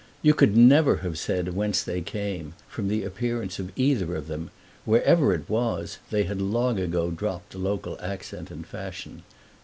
You could never have said whence they came, from the appearance of either of them; wherever it was they had long ago dropped the local accent and fashion.